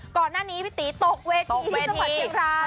ก่อนหน้านี้พี่ตีตกเวทีที่จังหวัดเชียงราย